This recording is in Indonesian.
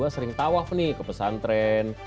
sering tawaf nih ke pesantren